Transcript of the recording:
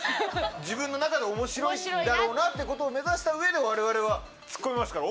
自分の中で面白いだろうなっていう事を目指したうえで我々はツッコみますから。